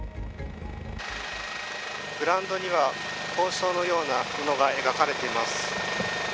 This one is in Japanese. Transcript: グラウンドには褒章のようなものが描かれています。